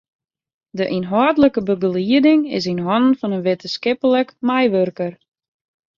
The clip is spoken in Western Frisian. De ynhâldlike begelieding is yn hannen fan in wittenskiplik meiwurker.